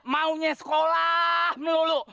maunya sekolah melulu